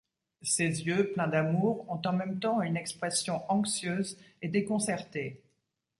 Ses yeux, pleins d’amour, ont en même temps, une expression anxieuse et déconcertée.